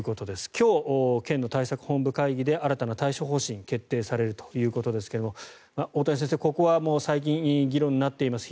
今日、県の対策本部会議で新たな対処方針が決定されるということですが大谷先生、ここは最近議論になっています。